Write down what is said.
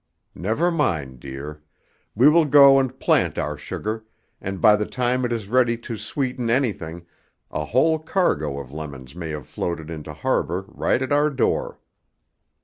Never mind, dear. We will go and plant our sugar, and by the time it is ready to sweeten anything, a whole cargo of lemons may have floated into harbor right at our door."